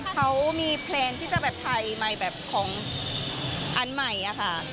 เขามีแพลนที่จะแบบถ่ายใหม่แบบของอันใหม่อะค่ะ